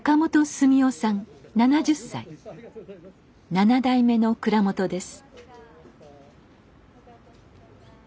７代目の蔵元です。